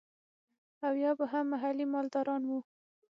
او يا به هم محلي مالداران وو.